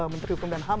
menteri hukuman dan ham